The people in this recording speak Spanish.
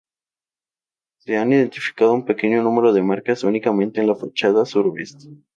Se han identificado un pequeño número de marcas únicamente en la fachada sureste.